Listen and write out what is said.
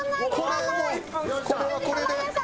これはこれで。